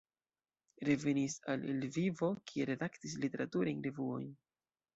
Revenis al Lvivo, kie redaktis literaturajn revuojn.